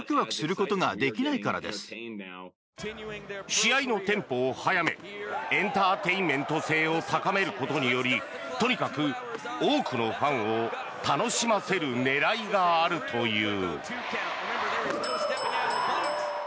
試合のテンポを速めエンターテインメント性を高めることによりとにかく多くのファンを楽しませる狙いがあるという。